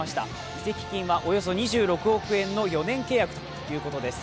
移籍金はおよそ２６億円の４年契約ということです。